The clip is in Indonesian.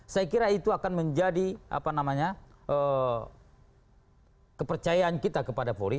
saya kira itu akan menjadi kepercayaan kita kepada polri